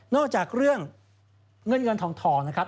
จากเรื่องเงินเงินทองนะครับ